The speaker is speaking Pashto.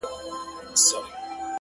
خدايه زه ستا د طبيعت په شاوخوا مئين يم _